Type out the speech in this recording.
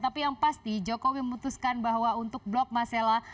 tapi yang pasti jokowi memutuskan bahwa untuk blok masela